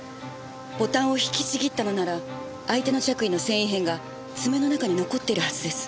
ボタンを引きちぎったのなら相手の着衣の繊維片が爪の中に残っているはずです。